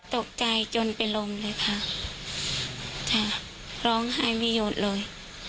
ตกใจจนเป็นลมเลยค่ะจ้ะร้องไห้ไม่หยุดเลย